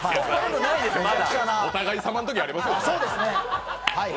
お互いさまのときありますよ。